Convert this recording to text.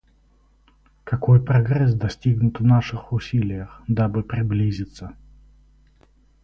Какой прогресс достигнут в наших усилиях, дабы приблизиться.